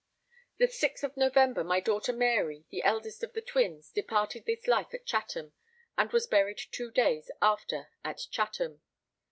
The 6th of November my daughter Mary, the eldest of the twins, departed this life at Chatham, and was buried 2 days after at Chatham.